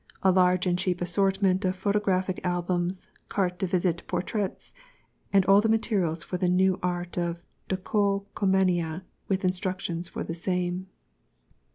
A large and cheap assortment of Photographic Albums, Carte de Visite Portraits, and all the materials for the new art of Decolcomania, with instructions for the same.